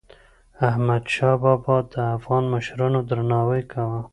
احمدشاه بابا د افغان مشرانو درناوی کاوه.